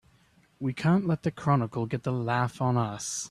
We can't let the Chronicle get the laugh on us!